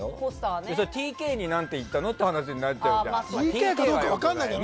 それはＴＫに何て言ったのって話になっちゃうじゃん。